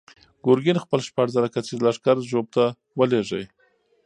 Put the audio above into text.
ګورګین خپل شپږ زره کسیز لښکر ژوب ته ولېږه.